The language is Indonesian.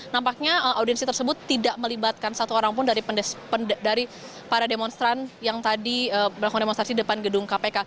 nampaknya audiensi tersebut tidak melibatkan satu orang pun dari para demonstran yang tadi melakukan demonstrasi depan gedung kpk